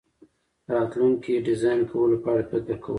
د راتلونکي ډیزاین کولو په اړه فکر کول